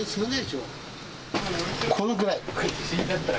このぐらい。